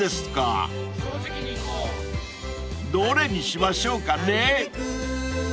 ［どれにしましょうかね］